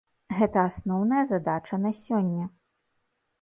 Гэта асноўная задача на сёння.